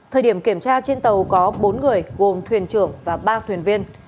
thời điểm kiểm tra trên tàu có bốn người gồm thuyền trưởng và ba thuyền viên